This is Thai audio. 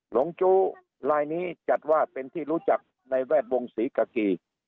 หลงจู้ลายนี้จัดว่าเป็นที่รู้จักในแวดวงศรีกากี